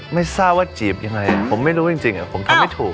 ไม่ทราบว่าจีบยังไงผมไม่รู้จริงผมทำไม่ถูก